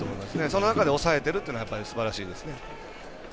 その中で抑えているというのはやっぱり、すばらしいですね。